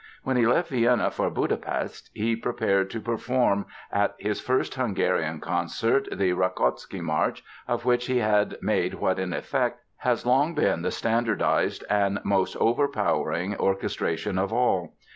When he left Vienna for Budapest he prepared to perform at his first Hungarian concert the Rakoczy March of which he had made what, in effect, has long been the standardized and most overpowering orchestration of all.